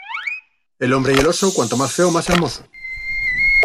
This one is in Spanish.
El hombre y el oso cuanto más feo más hermoso